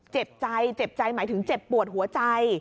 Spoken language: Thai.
เจ็บใจเจ็บใจหมายถึงเจ็บปวดหัวใจ